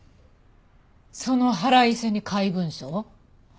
その腹いせに怪文書を？